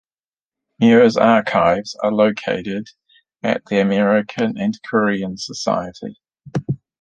Maurer's archives are located at the American Antiquarian Society.